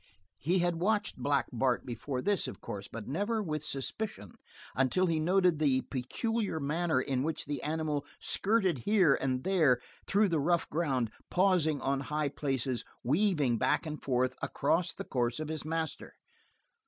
He had watched Black Bart before this, of course, but never with suspicion until he noted the peculiar manner in which the animal skirted here and there through the rough ground, pausing on high places, weaving back and forth across the course of his master.